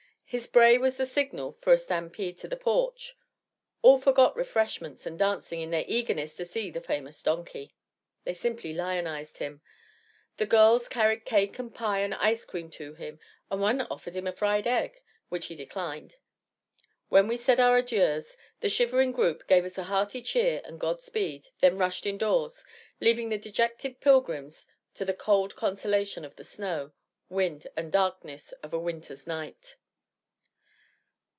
His bray was the signal for a stampede to the porch; all forgot refreshments and dancing in their eagerness to see the famous donkey. They simply lionized him. The girls carried cake and pie and ice cream to him, and one offered him a fried egg, which he declined. When we said our adieux the shivering group gave us a hearty cheer and God speed, then rushed indoors, leaving the dejected pilgrims to the cold consolation of the snow, wind and darkness of a winter's night.